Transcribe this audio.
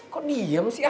kok diam sih